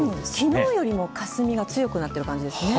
昨日よりもかすみが強くなってる感じですね。